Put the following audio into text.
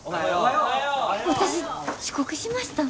私遅刻しました？